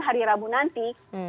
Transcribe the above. hari rabu nanti